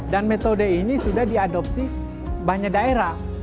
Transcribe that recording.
dan metode ini sudah diadopsi banyak daerah